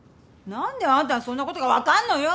何であんたにそんなことが分かんのよ！？